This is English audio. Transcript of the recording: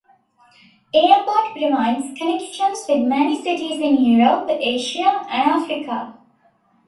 Airport provides connections with many cities in Europe, Asia and Africa.